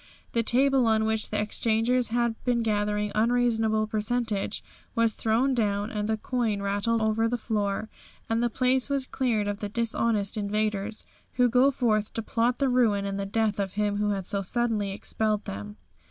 The table on which the exchangers had been gathering unreasonable percentage was thrown down, and the coin rattled over the floor, and the place was cleared of the dishonest invaders, who go forth to plot the ruin and the death of Him who had so suddenly expelled them.